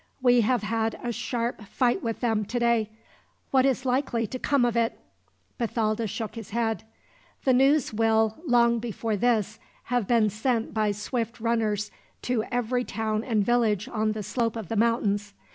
We have had a sharp fight with them today. What is likely to come of it?" Bathalda shook his head. "The news will, long before this, have been sent by swift runners to every town and village on this slope of the mountains.